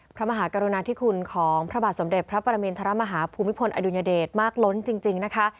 พระมหากรุณาธิคุณของพระบาทสมเด็จพระปรมินทรมาฮาภูมิพลอดุญเดชมากล้นจริงนะคะ